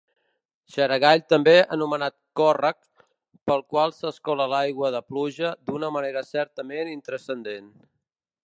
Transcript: Xaragall també anomenat córrec, pel qual s'escola l'aigua de pluja d'una manera certament intranscendent.